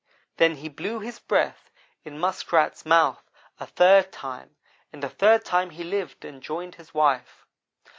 Then he blew his breath in Muskrat's mouth a third time, and a third time he lived and joined his wife.